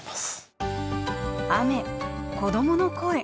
雨子どもの声。